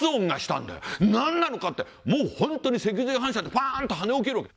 もう本当に脊髄反射でパンと跳ね起きるわけ。